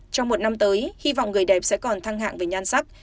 trong một năm tới hy vọng người đẹp sẽ còn thăng hạng về nhan sắc